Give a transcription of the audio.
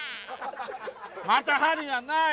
また針がない